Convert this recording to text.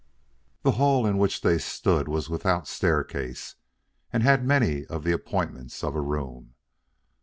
The hall in which they stood was without staircase and had many of the appointments of a room.